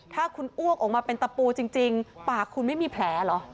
ถ้าคุณอ้วกออกมาเป็นตะปูจริงปากคุณไม่มีแผลเหรอ